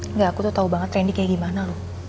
enggak aku tuh tau banget trendy kayak gimana loh